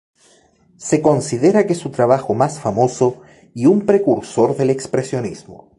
Se considera que su trabajo más famoso y un precursor del expresionismo.